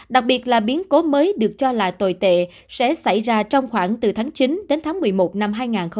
đặc biệt là biến cố mới được cho là tồi tệ sẽ xảy ra trong khoảng từ tháng chín đến tháng một mươi một năm hai nghìn hai mươi